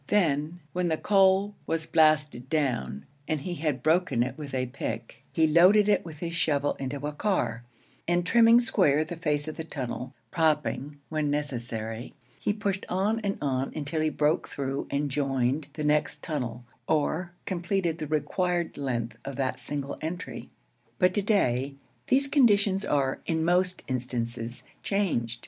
Then, when the coal was blasted down, and he had broken it with a pick, he loaded it with his shovel into a car; and trimming square the face of the tunnel, propping when necessary, he pushed on and on until he broke through and joined the next tunnel or completed the required length of that single entry. But to day these conditions are, in most instances, changed.